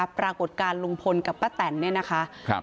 ปรากฏการณ์ลุงพลกับป้าแตนเนี่ยนะคะ